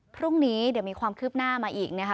พรุ่งนี้เดี๋ยวมีความคืบหน้ามาอีกนะคะ